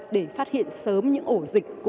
để phát hiện sớm những ổ dịch